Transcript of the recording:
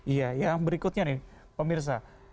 iya yang berikutnya nih pemirsa